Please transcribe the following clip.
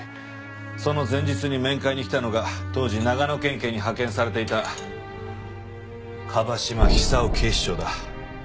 その前日に面会に来たのが当時長野県警に派遣されていた椛島寿夫警視長だ。